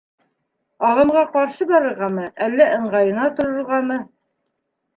Ағымға ҡаршы барырғамы, әллә ыңғайына торорғамы?